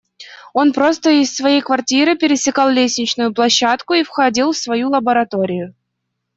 Он просто из своей квартиры пересекал лестничную площадку и входил в свою лабораторию.